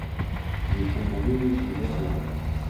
Vifumbu viw'ishi vechurilwa.